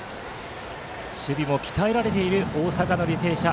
守備も鍛えられている大阪の履正社。